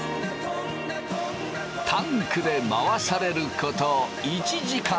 タンクで回されること１時間。